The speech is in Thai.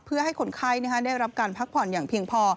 เพื่อให้คนไข้ได้รับการพักผ่อนอย่างเพียงพอ